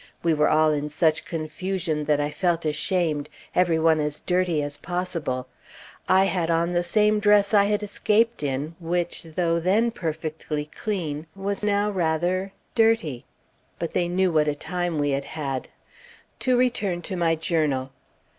We were all in such confusion that I felt ashamed: every one as dirty as possible; I had on the same dress I had escaped in, which, though then perfectly clean, was now rather dirty. But they knew what a time we had had. To return to my journal.